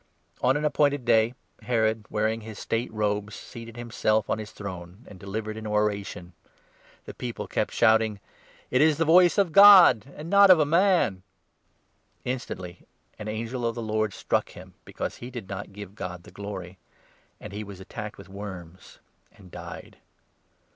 On an appointed day Herod, wearing his 21 state robes, seated himself on his throne, and delivered an oration. The people kept shouting :" It is the voice of God, 22 and not of a man !" Instantly an angel of the Lord struck him, because he did not 23 give God the glory ; and he was attacked with worms, and died.